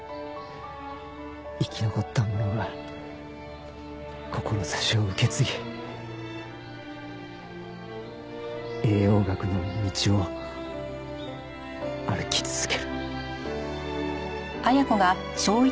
生き残った者が志を受け継ぎ栄養学の道を歩き続ける。